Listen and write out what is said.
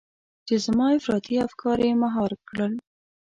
چې زما افراطي افکار يې مهار کړل.